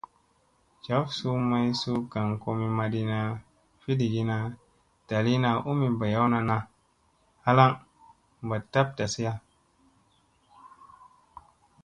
Jaf suu may suu gaŋ komi maɗina, fiɗgina, ɗaliina u mi ɓayawna naa halaŋ ba tab tasi.